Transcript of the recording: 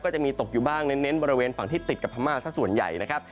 จะมีตกอยู่บ้างเน้นบริเวณฝั่งที่ติดกับพม่าสักส่วนใหญ่นะครับ